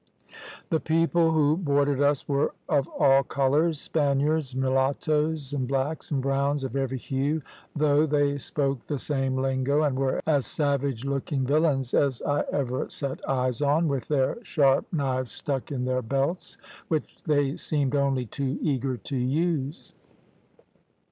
"The people who boarded us were of all colours, Spaniards, mulattoes, and blacks and browns of every hue, though they spoke the same lingo, and were as savage looking villains as I ever set eyes on, with their sharp knives stuck in their belts, which they seemed only too eager to use.